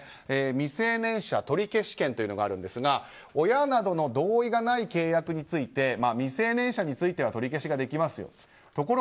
未成年者取消権というのがあるんですが親などの同意がない契約について未成年者については取り消しができますよと。